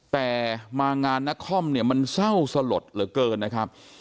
แต่มางานนครเนี่ยมันเศร้าสลดเหลือเกินนะครับ